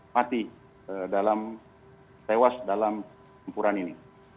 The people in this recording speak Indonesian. mati dalam tewas dalam tempuran ini